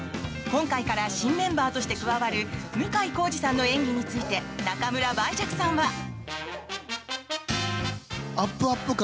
今回から新メンバーとして加わる向井康二さんの演技について中村梅雀さんは。